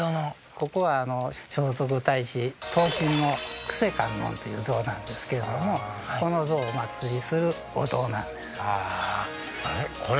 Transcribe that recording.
ここはあの聖徳太子等身の救世観音っていう像なんですけれどもこの像をお祀りするお堂なんですあれこれ